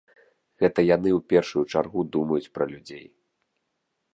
Гэта яны ў першую чаргу думаюць пра людзей.